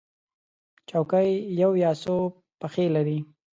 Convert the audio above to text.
چوکۍ یو یا څو پښې لري.